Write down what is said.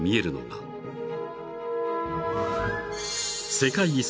［世界遺産］